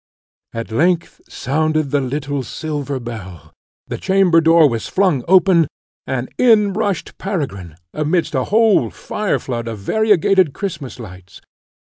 At length sounded the little silver bell, the chamber door was flung open, and in rushed Peregrine, amidst a whole fire flood of variegated Christmas lights.